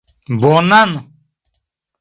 Bonan?